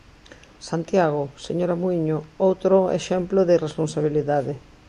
Santiago, señora Muíño, outro exemplo de irresponsabilidade.